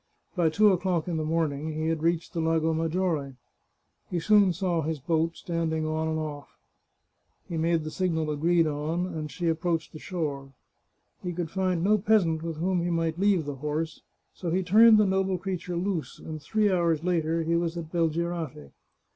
By two o'clock in the morning he had reached the Lago Maggiore. He soon saw his boat, standing on and oflf. He made the signal agreed on, and she approached the shore. He could find no peasant with whom he might leave the horse, so he turned the noble creature loose, and three hours later, he was at Belgirate.